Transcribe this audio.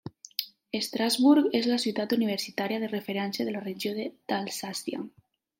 Estrasburg és la ciutat universitària de referència de la regió d'Alsàcia.